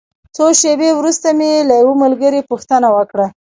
څو شېبې وروسته مې له یوه ملګري پوښتنه وکړه.